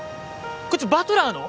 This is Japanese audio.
こいつバトラーの！？